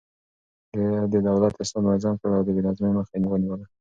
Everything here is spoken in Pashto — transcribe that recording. ده د دولت اسناد منظم کړل او د بې نظمۍ مخه يې ونيوله.